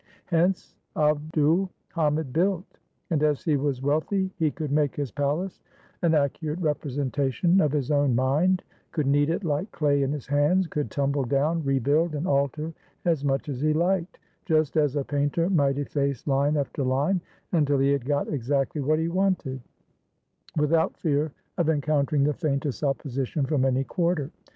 Hence Abd ul Hamid built. And as he was wealthy, he could make his palace an accurate representation of his own mind, could knead it like clay in his hands, could tumble down, rebuild, and alter as much as he liked — just as a painter might efface line after line until he had got exactly what he wanted — without fear of encountering 530 THE HOUSE OF FEAR the faintest opposition from any quarter.